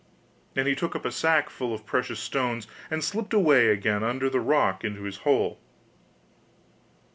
Then he took up a sack full of precious stones, and slipped away again under the rock into his hole.